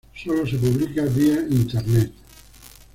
Solo se publica vía internet.